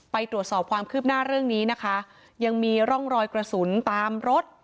ไปตรวจสอบความคืบหน้าเรื่องนี้นะคะยังมีร่องรอยกระสุนตามรถ